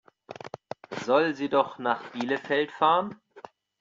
Soll sie doch nach Bielefeld fahren?